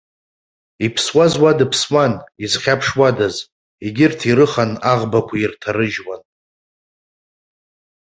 Иԥсуаз уа дыԥсуан, изхьаԥшуадаз, егьырҭ ирыхан аӷбақәа ирҭарыжьуан.